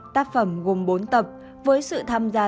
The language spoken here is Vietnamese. tác phẩm gồm bốn tập với sự tham gia